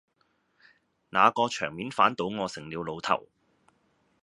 那個場面反倒我成了老頭